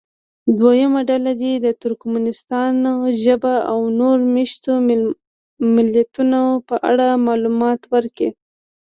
دویمه ډله دې د ترکمنستان ژبو او نورو مېشتو ملیتونو په اړه معلومات ورکړي.